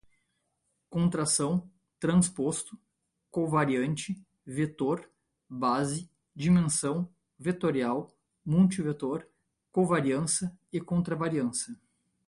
contração, transposto, covariante, vetor, base, dimensão, vetorial, multivetor, covariância e contravariância